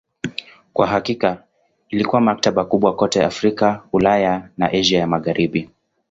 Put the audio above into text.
Kwa hakika ilikuwa maktaba kubwa kote Afrika, Ulaya na Asia ya Magharibi.